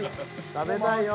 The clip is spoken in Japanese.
食べたいよ。